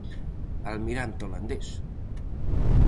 Almirante holandés.